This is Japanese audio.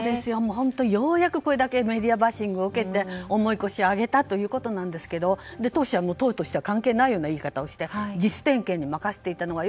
本当にようやく、これだけメディアバッシングを受けて重い腰を上げたということですが党首は党として関係ないというような言い方をして自主点検に任せていたのが。